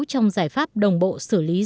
trong giải pháp này